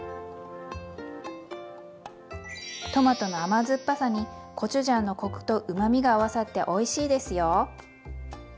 トマトの甘酸っぱさにコチュジャンのコクとうまみが合わさっておいしいですよ。